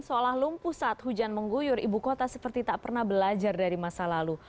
seolah lumpuh saat hujan mengguyur ibu kota seperti tak pernah belajar dari masa lalu